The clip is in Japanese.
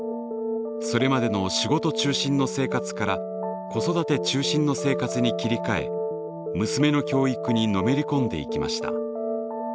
それまでの仕事中心の生活から子育て中心の生活に切り替え娘の教育にのめり込んでいきました。